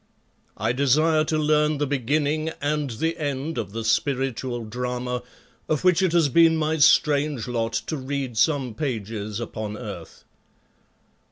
I desire to learn the beginning and the end of the spiritual drama of which it has been my strange lot to read some pages upon earth.